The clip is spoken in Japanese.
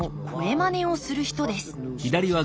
まねをする人です